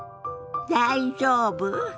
「大丈夫？」。